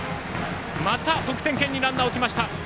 また得点圏にランナーを置きました。